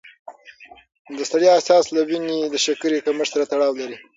د ستړیا احساس له وینې د شکرې کمښت سره تړاو لري.